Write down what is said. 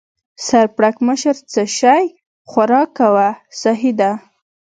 سر پړکمشر: څه شی؟ خوراک کوه، سهي ده.